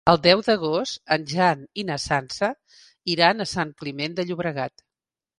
El deu d'agost en Jan i na Sança iran a Sant Climent de Llobregat.